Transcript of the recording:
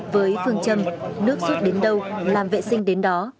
với phương châm nước rút đến đâu làm vệ sinh đến đó